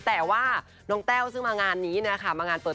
แต่ว่าน้องแต่วซึ่งมางานนี้นะคะ